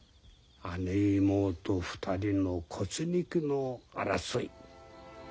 姉妹二人の骨肉の争い。